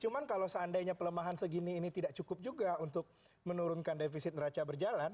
cuma kalau seandainya pelemahan segini ini tidak cukup juga untuk menurunkan defisit neraca berjalan